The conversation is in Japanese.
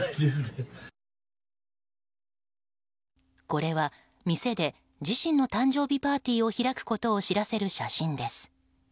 これは店で自身の誕生日パーティーを開くことを知らせる写真です。